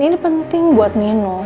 ini penting buat nino